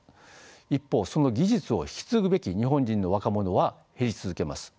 一方その技術を引き継ぐべき日本人の若者は減り続けます。